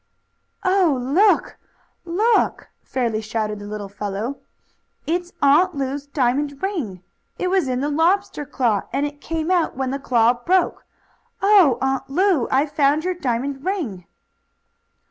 "Oh, look! look!" fairly shouted the little fellow. "It's Aunt Lu's diamond ring. It was in the lobster claw, and it came out when the claw broke. Oh, Aunt Lu! I've found your diamond ring!"